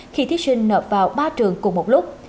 khi thí sinh nộp vào ba trường cùng một lúc